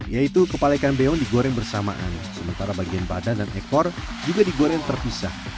yaitu kepala ikan beong digoreng bersamaan sementara bagian badan dan ekor juga digoreng terpisah